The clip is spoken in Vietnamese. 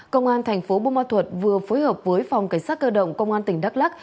công an thành phố bô ma thuật vừa phối hợp với phòng cảnh sát cơ động công an tỉnh đắk lắc